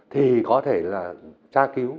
thì có thể là tra kiến